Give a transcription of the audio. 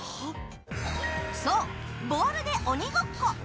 そう、ボールでおにごっこ！